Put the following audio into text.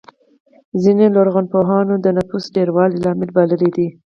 ځینو لرغونپوهانو د نفوسو ډېروالی لامل بللی دی